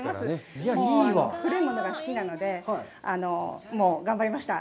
古いものが好きなので、頑張りました。